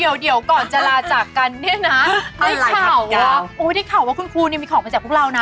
โอ้ยเดี๋ยวก่อนจะลาจากกันเนี่ยนะได้ข่าวว่าคุณครูมีของมาจากพวกเราน่ะ